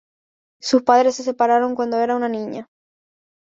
Sus padres se separaron cuando era una niña.